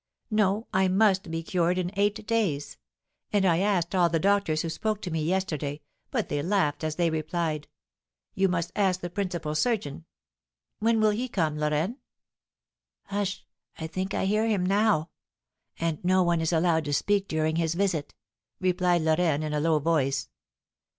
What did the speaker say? No, I must be cured in eight days; and I asked all the doctors who spoke to me yesterday, but they laughed as they replied, 'You must ask the principal surgeon.' When will he come, Lorraine?" "Hush! I think I hear him now. And no one is allowed to speak during his visit," replied Lorraine, in a low voice.